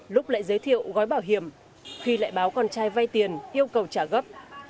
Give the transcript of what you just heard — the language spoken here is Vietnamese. lúc lại giới thiệu gói bảo hiểm khi lại báo con trai vay tiền yêu cầu trả gấp